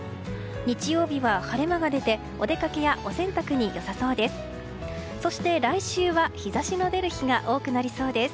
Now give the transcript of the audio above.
日曜日は晴れ間が出てお出かけやお洗濯に良さそうです。